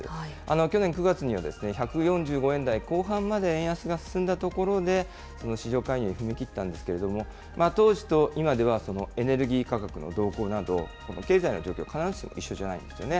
去年９月には、１４５円台後半まで円安が進んだところで、市場介入に踏み切ったんですけれども、当時と今では、エネルギー価格の動向など、経済の状況が必ずしも一緒じゃないんですよね。